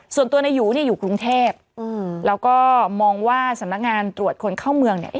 ส่วนตัวนายอยู่อยู่กรุงเทพเราก็มองว่าสำนักงานตรวจคนเข้าเมือง